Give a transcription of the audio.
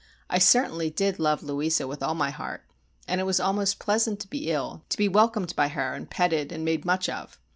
I certainly did love Louisa with all my heart; and it was almost pleasant to be ill, to be welcomed by her and petted and made much of.